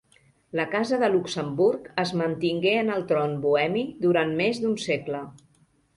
La Casa de Luxemburg es mantingué en el tron bohemi durant més d'un segle.